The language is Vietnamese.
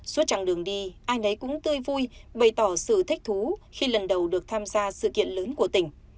suốt chẳng đường đi ai nấy cũng tươi vui bày tỏ sự thích thú khi lần đầu được tham gia sự kiện lớn của tỉnh